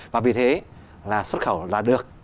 và vì thế là xuất khẩu là được